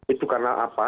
itu karena apa